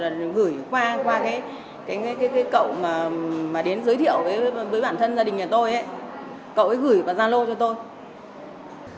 cậu ấy gửi và gian lô cho tôi